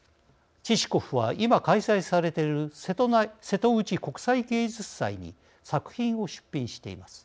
チシコフは今開催されている瀬戸内国際芸術祭に作品を出品しています。